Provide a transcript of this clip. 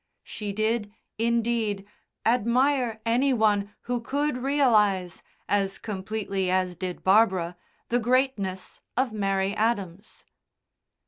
She did, indeed, admire any one who could realise, as completely as did Barbara, the greatness of Mary Adams.